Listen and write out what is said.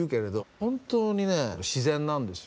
本当にね自然なんですよ。